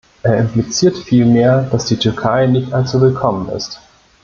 Er impliziert vielmehr, dass die Türkei nicht allzu willkommen ist.